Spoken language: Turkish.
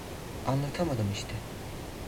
Anlatamadım işte…